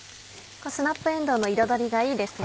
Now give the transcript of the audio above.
スナップえんどうの彩りがいいですね。